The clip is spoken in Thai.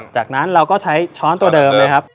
จากนั้นเราก็ใช้ช้อนตัวเดิมเลยครับ